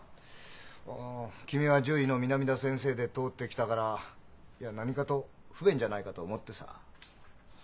あ君は獣医の南田先生で通ってきたからいや何かと不便じゃないかと思ってさ。